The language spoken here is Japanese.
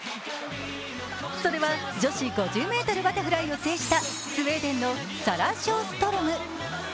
それは女子５０ｍバタフライを制したスウェーデンのサラ・ショーストロム。